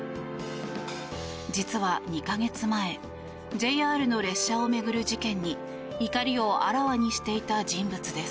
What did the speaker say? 実は２か月前ＪＲの列車を巡る事件に怒りをあらわにしていた人物です。